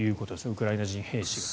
ウクライナ人兵士が。